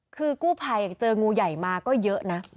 คือกู้ภัยเจองูใหญ่มาก็เยอะนะ